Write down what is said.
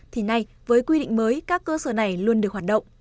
thì nay với quy định mới các cơ sở này luôn được hoạt động